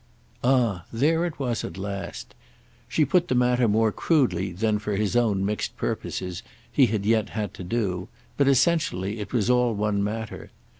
Ah there it was at last! She put the matter more crudely than, for his own mixed purposes, he had yet had to do; but essentially it was all one matter.